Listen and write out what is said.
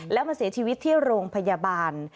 แล้วมาเสียชีวิตที่โรงพยาบาล